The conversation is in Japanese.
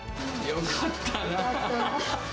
よかったな。